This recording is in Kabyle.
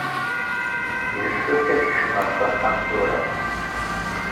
Yessefk ad kecmeɣ s axxam tura.